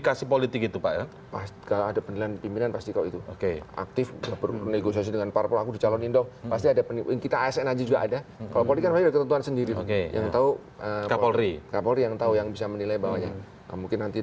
kak polri yang tahu yang bisa menilai bahwa mungkin nanti